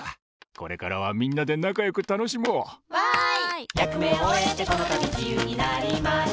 これからはみんなでなかよくたのしもう！わい！